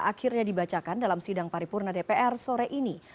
akhirnya dibacakan dalam sidang paripurna dpr sore ini